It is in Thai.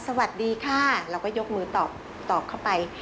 สวัสดีค่ะเราก็ยกมือตอบเข้าไป